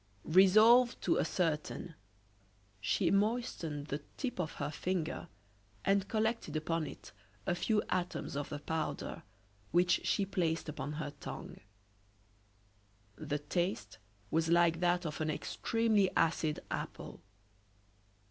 Resolved to ascertain, she moistened the tip of her finger, and collected upon it a few atoms of the powder which she placed upon her tongue. The taste was like that of an extremely acid apple.